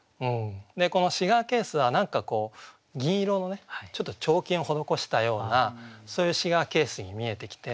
このシガーケースは何か銀色の彫金を施したようなそういうシガーケースに見えてきて。